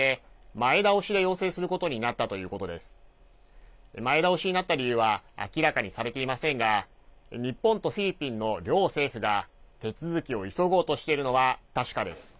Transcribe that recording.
前倒しになった理由は明らかにされていませんが、日本とフィリピンの両政府が、手続きを急ごうとしているのは確かです。